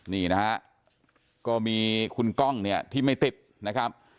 นี่นะฮะก็มีคุณก้องเนี่ยที่ไม่ติดนะครับ